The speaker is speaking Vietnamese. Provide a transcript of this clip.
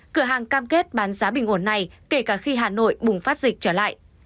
cửa hàng cam kết bán giá bình ổn này kể cả khi hà nội bùng phát dịch trở lại